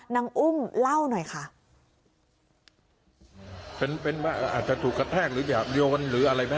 น้องอุ้มเล่าหน่อยค่ะ